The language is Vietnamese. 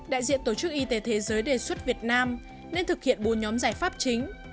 đại diện tổ chức y tế thế giới đề xuất việt nam nên thực hiện bốn nhóm giải pháp chính